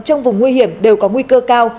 trong vùng nguy hiểm đều có nguy cơ cao